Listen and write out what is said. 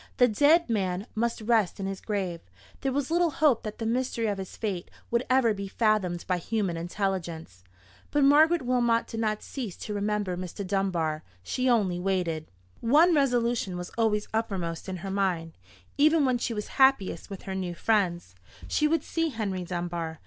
The dead man must rest in his grave: there was little hope that the mystery of his fate would ever be fathomed by human intelligence. But Margaret Wilmot did not cease to remember Mr. Dunbar. She only waited. One resolution was always uppermost in her mind, even when she was happiest with her new friends. She would see Henry Dunbar.